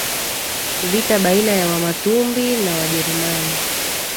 Vita baina ya Wamatumbi na Wajerumani